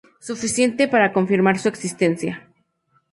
Suficiente para confirmar su existencia.